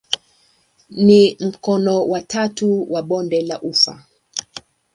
Ni mkono wa tatu wa bonde la ufa.